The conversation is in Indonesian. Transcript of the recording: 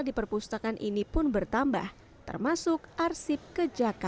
di perpustakaan ini pun bertambah termasuk arsip kejakartaan